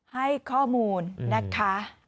ให้ข้อมูลนะคะ